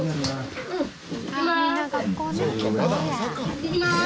いってきます。